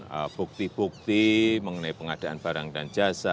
dengan bukti bukti mengenai pengadaan barang dan jasa